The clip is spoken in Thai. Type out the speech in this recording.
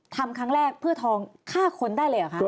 ทำครั้งแรกเพื่อทองฆ่าคนได้เลยเหรอคะ